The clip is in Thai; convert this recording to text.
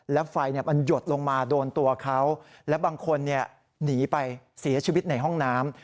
แล้วไฟมันหยดลงมาโดนตัวเขาและบางคนหนีไปเสียชีวิตในห้องน้ำ